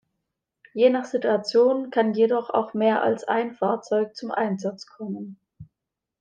Je nach Situation kann jedoch auch mehr als ein Fahrzeug zum Einsatz kommen.